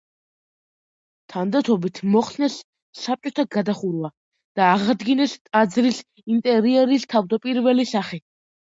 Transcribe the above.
თანდათანობით მოხსნეს საბჭოთა გადახურვა და აღადგინეს ტაძრის ინტერიერის თავდაპირველი სახე.